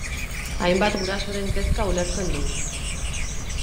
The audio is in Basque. Hainbat gurasoren kezka ulertzen du.